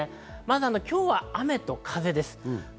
今日は雨と風です。